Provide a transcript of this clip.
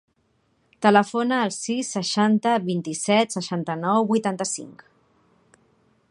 Telefona al sis, seixanta, vint-i-set, seixanta-nou, vuitanta-cinc.